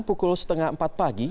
pukul setengah empat pagi